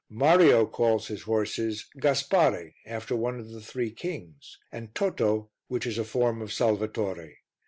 Mario calls his horses Gaspare, after one of the Three Kings, and Toto, which is a form of Salvatore.